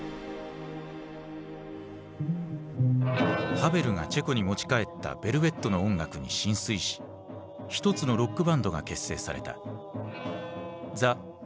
ハヴェルがチェコに持ち帰ったヴェルヴェットの音楽に心酔し一つのロックバンドが結成された。